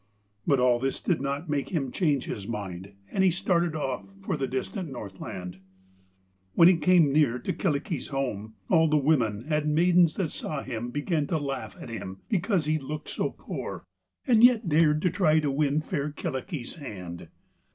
But all this did not make him change his mind, and he started off for the distant Northland. When he came near to Kyllikki's home, all the women and maidens that saw him began to laugh at him because he looked so poor, and yet dared to try to win the fair Kyllikki's hand.